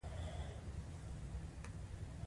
بیا هم دوی په شرکت کې هر کاره وي